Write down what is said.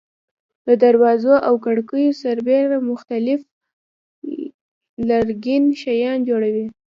د دروازو او کړکیو سربېره مختلف لرګین شیان جوړوي.